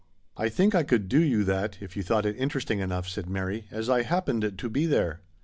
"I think I could do you that, if you thought it interesting enough," said Mary, " as I happened to be there."